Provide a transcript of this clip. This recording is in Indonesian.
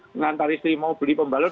mengantar istri mau beli pembalut